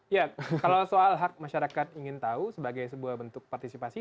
ya kalau soal hak masyarakat ingin tahu sebagai sebuah bentuk partisipasi